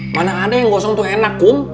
mana ada yang gosong tuh enak kum